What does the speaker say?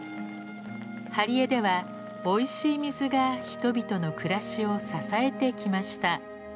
針江ではおいしい水が人々の暮らしを支えてきました。